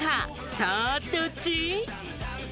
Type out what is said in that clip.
さぁ、どっち？